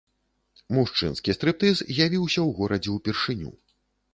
Мужчынскі стрыптыз з'явіўся ў горадзе ўпершыню.